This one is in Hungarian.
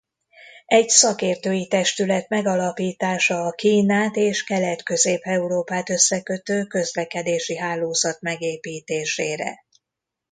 Egy szakértői testület megalapítása a Kínát és Kelet-Közép-Európát összekötő közlekedési hálózat megépítésére.